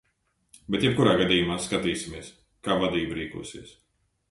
Bet jebkurā gadījumā skatīsimies, kā vadība rīkosies.